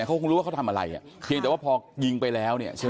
เขาคงรู้ว่าเขาทำอะไรเพียงแต่ว่าพอยิงไปแล้ว